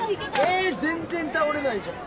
え全然倒れないじゃん。